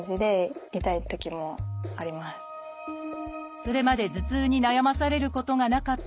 それまで頭痛に悩まされることがなかった織田さん。